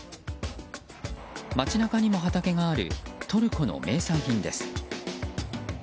街中にも畑があるトルコの名産品です。